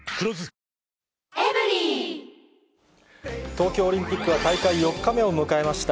東京オリンピックは大会４日目を迎えました。